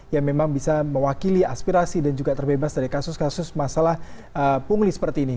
yang memang bisa mewakili aspirasi dan juga terbebas dari kasus kasus masalah pungli seperti ini